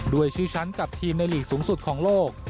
ด้วยชื่อชั้นกับทีมในหลีกสูงสุดของโลก